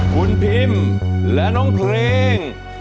คุณพิมและน้องเพลง